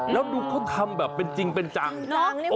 แล้วดูเขาทำแบบเป็นจริงเป็นจัง